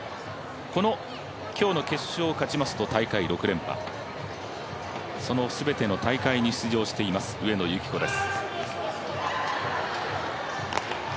この今日の決勝を勝ちますと大会６連覇、その全ての大会に出場しています、上野由岐子です。